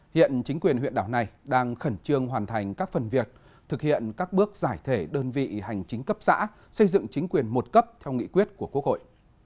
hiện chính quyền huyện đảo này đang khẩn trương hoàn thành các phần việc thực hiện các bước giải thể đơn vị hành chính cấp xã xây dựng chính quyền một cấp theo nghị quyết của quốc hội